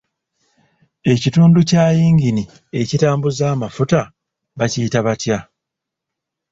Ekitundu kya yingini ekitambuza amufuta bakiyita butya?